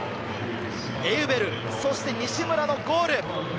エウベル、そして西村のゴール。